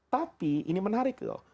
tapi ini menarik loh